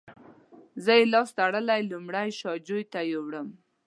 زه یې لاس تړلی لومړی شا جوی ته یووړم.